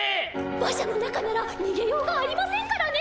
馬車の中なら逃げようがありませんからね。